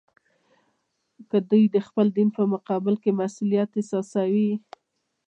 که دوی د خپل دین په مقابل کې مسوولیت احساسوي.